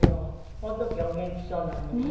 この時はお元気そうなのにね。